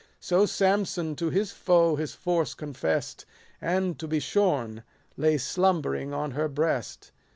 So Samson to his foe his force confess'd, And, to be shorn, lay slumbering on her breast.